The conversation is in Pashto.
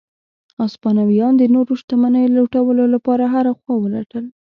هسپانویانو د نورو شتمنیو لټولو لپاره هره خوا ولټل.